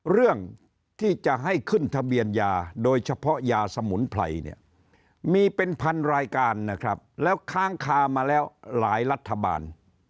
เรื่องที่จะให้ขึ้นทะเบียนยาโดยเฉพาะยาสมุนไพรเนี่ยมีเป็นพันรายการนะครับแล้วค้างคามาแล้วหลายรัฐบาล